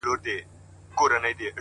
د کوچني اختر اصلي بڼه دا ده چي غسل وکړه